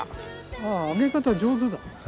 ああ揚げ方上手だね。